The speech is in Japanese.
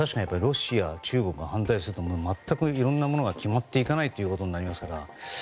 ロシア、中国が反対すると全くいろんなものが決まっていかないということになりますから。